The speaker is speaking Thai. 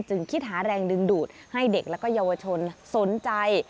คิดหาแรงดึงดูดให้เด็กและเยาวชนสนใจ